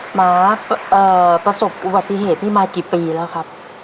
ประสบอุบัติเหตุนี้มากี่ปีแล้วครับ